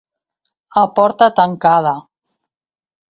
A porta tancada.